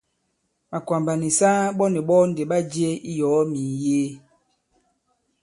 Màkwàmbà nì saa ɓɔ nì ɓɔ ndì ɓa jie i yɔ̀ɔ mì mìyee.